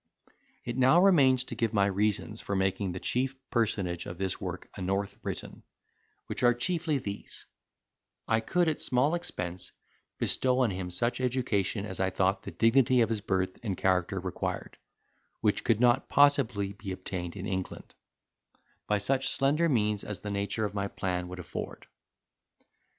It now remains to give my reasons for making the chief personage of this work a North Briton, which are chiefly these: I could, at a small expense, bestow on him such education as I thought the dignity of his birth and character required, which could not possibly be obtained in England, by such slender means as the nature of my plan would afford.